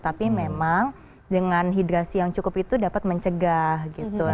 tapi memang dengan hidrasi yang cukup itu dapat mencegah gitu